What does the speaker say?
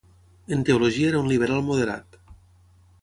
En teologia era un liberal moderat.